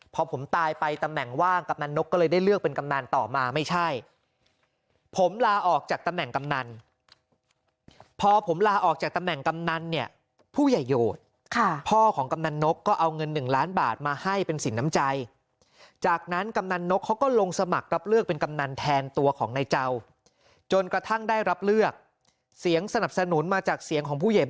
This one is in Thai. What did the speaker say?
พอผมตายไปตำแหน่งว่างกำนันนกก็เลยได้เลือกเป็นกำนันต่อมาไม่ใช่ผมลาออกจากตำแหน่งกำนันพอผมลาออกจากตำแหน่งกำนันเนี่ยผู้ใหญ่โหดพ่อของกำนันนกก็เอาเงิน๑ล้านบาทมาให้เป็นสินน้ำใจจากนั้นกำนันนกเขาก็ลงสมัครรับเลือกเป็นกำนันแทนตัวของนายเจ้าจนกระทั่งได้รับเลือกเสียงสนับสนุนมาจากเสียงของผู้ใหญ่